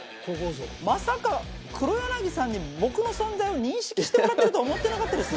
まさか黒柳さんに僕の存在を認識してもらってるとは思ってなかったですね。